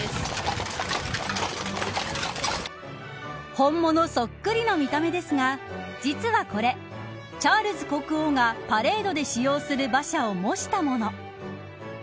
本物そっくりの見た目ですが、実はこれチャールズ国王がパレードで使用する馬車を模したもの。